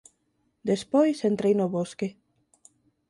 Despois entrei no bosque.